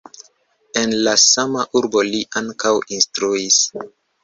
En La sama urbo li ankaŭ instruis.